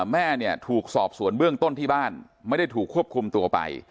แม่เนี่ยถูกสอบสวนเบื้องต้นที่บ้านไม่ได้ถูกควบคุมตัวไป